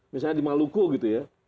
misalnya di maluku gitu ya